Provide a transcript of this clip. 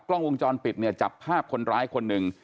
กล้องวงจรปิดเนี่ยจับภาพคนร้ายคนหนึ่ง